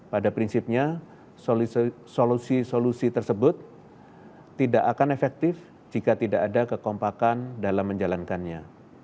pada prinsipnya solusi solusi tersebut tidak akan efektif jika tidak ada kekompakan dalam menjalankannya